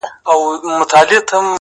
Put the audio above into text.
ما اورېدلي دې چي لمر هر گل ته رنگ ورکوي-